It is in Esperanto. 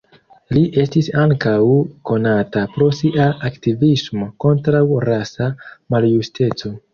Li estis ankaŭ konata pro sia aktivismo kontraŭ rasa maljusteco.